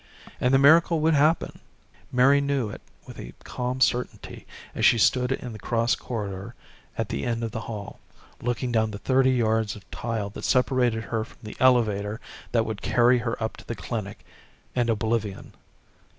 And the miracle would happen, Mary knew it with a calm certainty as she stood in the cross corridor at the end of the hall, looking down the thirty yards of tile that separated her from the elevator that would carry her up to the clinic and oblivion.